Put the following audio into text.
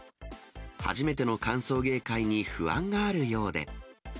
初めての歓送迎会に不安があるようで。